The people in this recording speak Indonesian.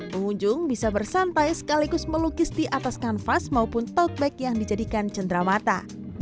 pengunjung bisa bersantai sekaligus melukis di atas kanvas maupun tote bag yang dijadikan cenderamata